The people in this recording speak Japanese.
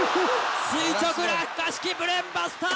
垂直落下式ブレーンバスター！